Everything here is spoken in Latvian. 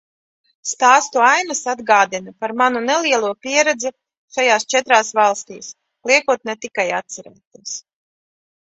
Stāstu ainas atgādina par manu nelielo pieredzi šajās četrās valstīs, liekot ne tikai atcerēties.